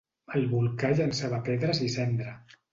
El volcà llançava pedres i cendra.